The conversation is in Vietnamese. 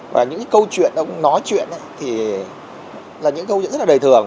và những câu chuyện ông nói chuyện thì là những câu chuyện rất là đời thường